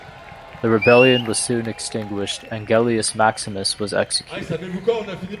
The rebellion was soon extinguished, and Gellius Maximus was executed.